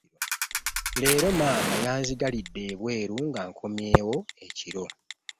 Leero maama yanzigalide ebweru nga nkomyewo ekiro.